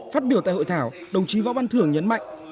phát biểu tại hội thảo đồng chí võ văn thưởng nhấn mạnh